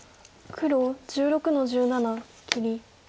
黒１６の十七切り。